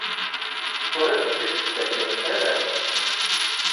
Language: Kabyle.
Ur asent-tent-id-tettakemt ara?